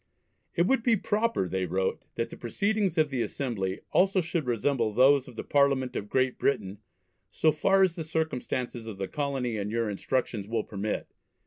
"It would be proper," they wrote, "that the Proceedings of the Assembly also should resemble those of the Parliament of Great Britain so far as the circumstances of the Colony and your Instructions will permit.